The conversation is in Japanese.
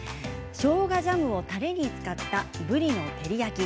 しょうがジャムをたれに使ったぶりの照り焼き。